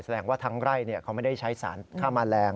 แสดงว่าทั้งไร่เขาไม่ได้ใช้สารค่าแมลง